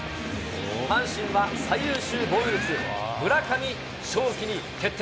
阪神は最優秀防御率、村上頌樹に決定。